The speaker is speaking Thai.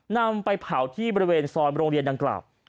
นำไปเผาที่บริเวณซอยโรงเรียนดังกล่าว